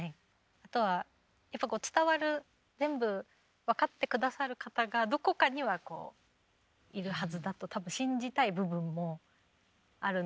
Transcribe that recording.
あとはやっぱこう伝わる全部分かって下さる方がどこかにはこういるはずだと多分信じたい部分もあるんだと思うんですけど。